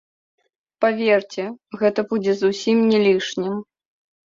Паверце, гэта будзе зусім не лішнім.